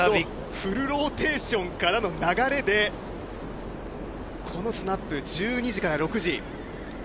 フルローテーションからの流れでこのスナップ、１２時から６時。